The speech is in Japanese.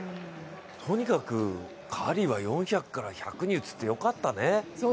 とにかくカーリーは４００から１００に移ってよかったね。